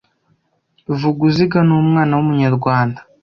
Vuguziga ni umwana w'umunyarwanda